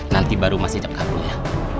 nanti baru mas ngecap kabutnya